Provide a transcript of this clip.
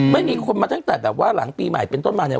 ไม่มีคนมาตั้งแต่หลังปีใหม่เป็นต้นมาเลย